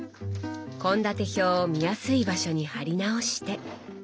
献立表を見やすい場所に貼り直して。